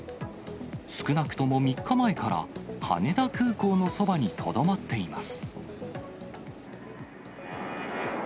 少なくとも３日前から、羽田空港のそばにとどまっています。